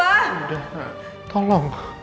udah nak tolong